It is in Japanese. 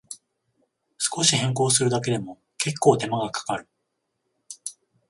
少し変更するだけでも、けっこう手間がかかる